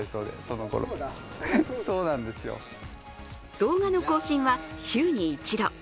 動画の更新は週に一度。